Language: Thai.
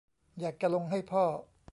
อยากจะลงให้พ่อ